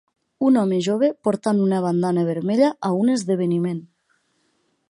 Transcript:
Un home jove portant una bandana vermella a un esdeveniment.